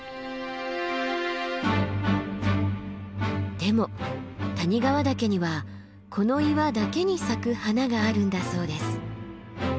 でも谷川岳にはこの岩だけに咲く花があるんだそうです。